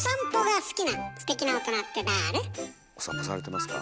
お散歩されてますか？